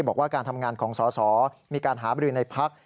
บอกว่าการทำงานของสาวมีการหาบริรินในพรรค